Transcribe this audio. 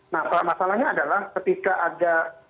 nah masalahnya adalah ketika ada